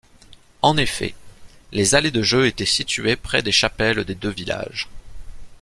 En effet, les allées de jeu étaient situées près des chapelles des deux villages.